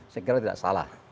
saya kira tidak salah